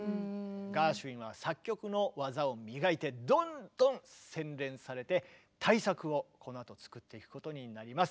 ガーシュウィンは作曲の技を磨いてどんどん洗練されて大作をこのあと作っていくことになります。